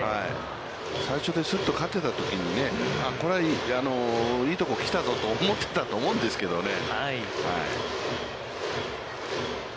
最初で、すっと勝てたときに、これはいいとこ来たぞと思ってたと思うんですけどね。